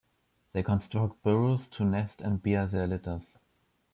They construct burrows to nest and bear their litters.